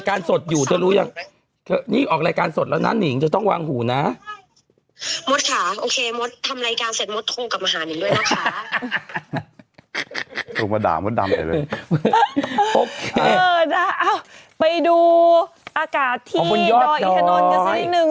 ไปดูอากาศที่ดอยอีทานนท์กันซะนิดนึง